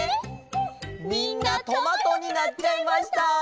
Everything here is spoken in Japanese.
みんなトマトになっちゃいました！